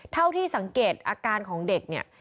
เท่าที่สังเกตอาการของเด็กเนี่ย